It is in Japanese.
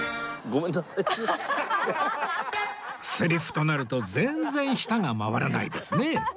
セリフとなると全然舌が回らないですね